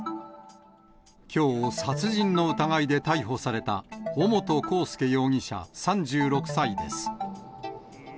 きょう、殺人の疑いで逮捕された、尾本幸祐容疑者３６歳です。